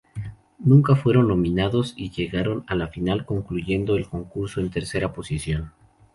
Nunca fueron nominados y llegaron a la final concluyendo el concurso en tercera posición.